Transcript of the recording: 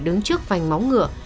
đứng trước vành móng ngựa